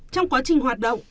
trong quá trình hoạt động